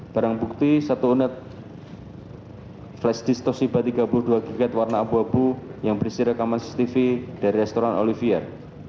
barang bukti satu unit flash disktoshiba tiga puluh dua gigat warna abu abu yang berisi rekaman cctv dari restoran olivier